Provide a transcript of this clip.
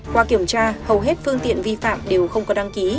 qua kiểm tra hầu hết phương tiện vi phạm đều không có đăng ký